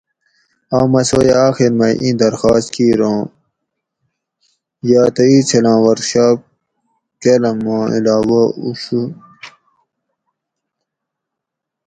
آمہ سویہ آخر مئی اِیں درخاس کیر اوں یاتہ اینچھلاں ورکشاپ کالام ما علاوہ اوشو